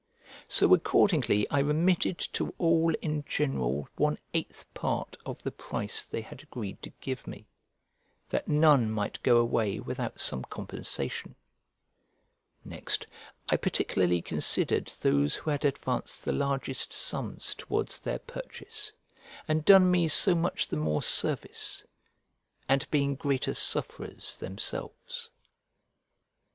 So accordingly I remitted to all in general one eighth part of the price they had agreed to give me, that none might go away without some compensation: next, I particularly considered those who had advanced the largest sums towards their purchase, and done me so much the more service, and been greater sufferers themselves.